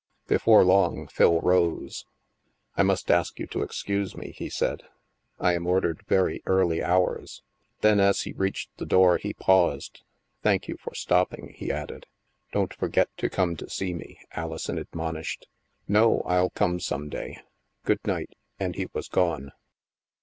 Before long, Phil rose. " I must ask you to excuse me," he said, " I am ordered very early hours." Then, as he reached the door, he paused. " Thank you for stopping," he added. " Don't forget to come to see me," Alison admon ished. No, ril come some day. Good night," and he was gone.